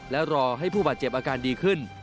และรอให้ผู้บาดเจ็บอาการดีขึ้น